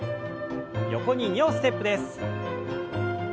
横に２歩ステップです。